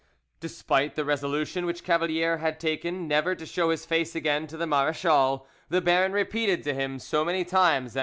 Despite the resolution which Cavalier had taken never to show his face again to the marechal, the baron repeated to him so many times that M.